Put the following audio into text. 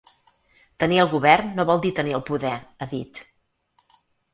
Tenir el govern no vol dir tenir el poder, ha dit.